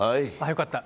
よかった。